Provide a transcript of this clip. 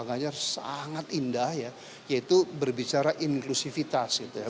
pak ganjar sangat indah ya yaitu berbicara inklusivitas gitu ya